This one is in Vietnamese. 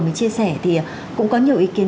mới chia sẻ thì cũng có nhiều ý kiến